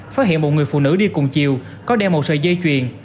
phát hiện một người phụ nữ đi cùng chiều có đeo một sợi dây chuyền